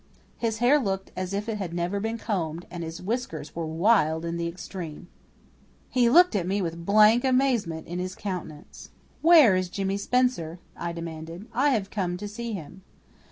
His hair looked as if it had never been combed, and his whiskers were wild in the extreme. He looked at me with blank amazement in his countenance. "Where is Jimmy Spencer?" I demanded. "I have come to see him."